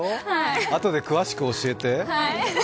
あとで詳しく教えて。